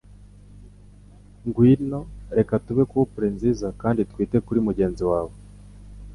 Ngwino, reka tube couple nziza kandi twite kuri mugenzi wawe!